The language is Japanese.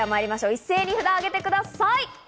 一斉に札を上げてください。